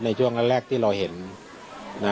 ในช่วงแรกที่เราเห็นนะ